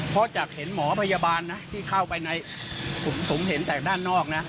เพราะจากเห็นหมอพยาบาลนะที่เข้าไปในผมเห็นจากด้านนอกนะ